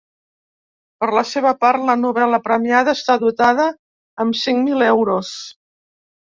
Per la seva part la novel·la premiada està dotada amb cinc mil euros.